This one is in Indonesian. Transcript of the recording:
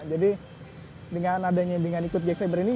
jadi dengan adanya dengan ikut jack sabre ini